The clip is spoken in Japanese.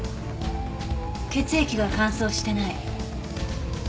血液が乾燥してない。